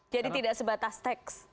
jadi tidak sebatas teks